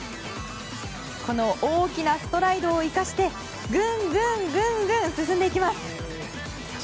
この大きなストライドを生かしてぐんぐん、ぐんぐん進んでいきます。